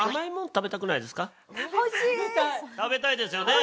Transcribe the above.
食べたいですよね？